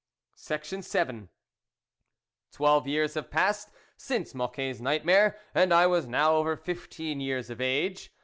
VII TWELVE years had passed since Mocquet's nightmare, and I was now over fifteen years of age.